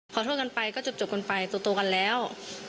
ขอโทษกันไปก็จบกันไปโตกันแล้ว